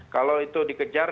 kalau itu dikejar